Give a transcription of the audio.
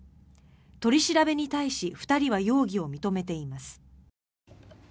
取り調べに対し２人は容疑を認めています。